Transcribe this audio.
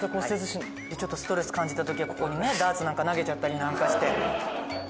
ちょっとストレス感じた時はここにねダーツなんか投げちゃったりなんかして。